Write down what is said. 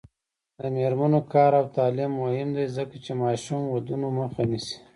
د میرمنو کار او تعلیم مهم دی ځکه چې ماشوم ودونو مخه نیسي.